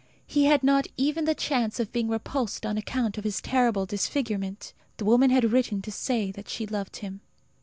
He had not even the chance of being repulsed on account of his terrible disfigurement. The woman had written to say that she loved him.